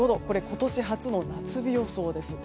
今年初の夏日予想です。